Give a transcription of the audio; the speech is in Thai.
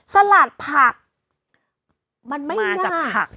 สลัดผักมันมาจากผัก